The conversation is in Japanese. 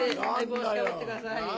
帽子かぶってください。